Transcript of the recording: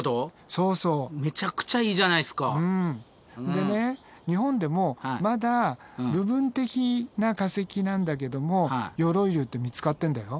でね日本でもまだ部分的な化石なんだけども鎧竜って見つかってんだよ。